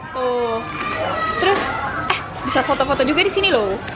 tuh terus eh bisa foto foto juga disini loh